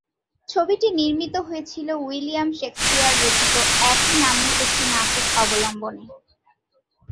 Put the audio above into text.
ছবিটি নির্মিত হয়েছিল উইলিয়াম শেকসপিয়র রচিত একই নামের একটি নাটক অবলম্বনে।